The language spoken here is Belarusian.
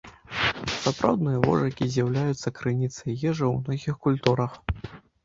Сапраўдныя вожыкі з'яўляюцца крыніцай ежы ў многіх культурах.